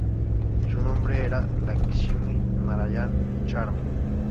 Su nombre era Lakshmi Narayan Sharma.